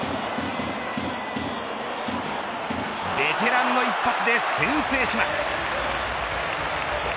ベテランの一発で先制します。